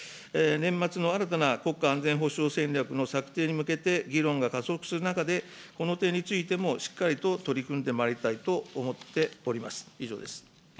年末の新たな国家安全保障戦略の策定に向けて議論が加速する中で、この点についてもしっかりと取り組んでまいりたいと思っております。